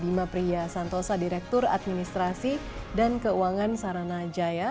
bima pria santosa direktur administrasi dan keuangan saranajaya